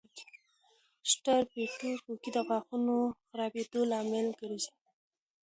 سټریپټوکوکي د غاښونو خرابېدو لامل ګرځي.